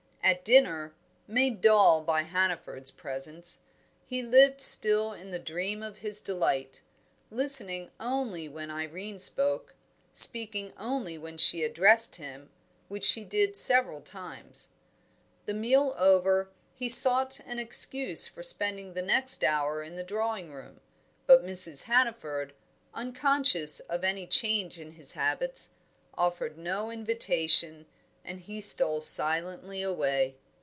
At dinner, made dull by Hannaford's presence, he lived still in the dream of his delight, listening only when Irene spoke, speaking only when she addressed him, which she did several times. The meal over, he sought an excuse for spending the next hour in the drawing room; but Mrs. Hannaford, unconscious of any change in his habits, offered no invitation, and he stole silently away.